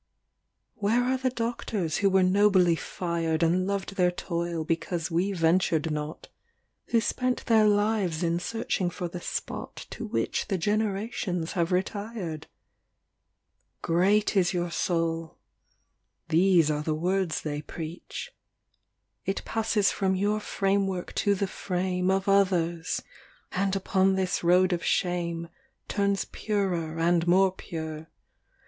LVII Where are the doctors who were nobly fired And loved their toil because we ventured not, Who spent their lives in searching for the spot To which the generations have retired ? LVIII ŌĆ£ Great is your soul, ŌĆØ ŌĆö these are the words they preach, ŌĆö ŌĆ£ It passes from your framework to the frame Of others, and upon this road of shame Turns purer and more pure.